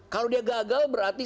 kalau dia gagal berarti